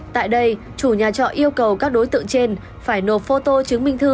tại đây chủ nhà trọ yêu cầu các đối tượng trên phải nộp phô tô chứng minh thư